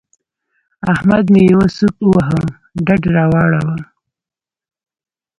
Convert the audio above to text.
احمد مې يوه سوک وواهه؛ ډډ را واړاوو.